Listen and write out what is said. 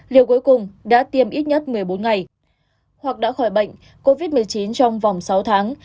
liệu cuối cùng đã tiêm ít nhất một mươi bốn ngày hoặc đã khỏi bệnh covid một mươi chín trong vòng sáu tháng